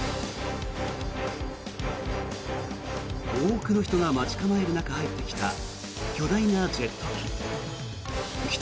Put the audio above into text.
多くの人が待ち構える中入ってきた巨大なジェット機。